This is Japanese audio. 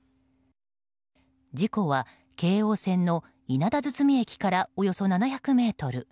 事故は京王線の稲田堤駅からおよそ７００ｍ。